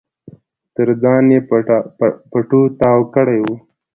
تر ځان يې پټو تاو کړی و.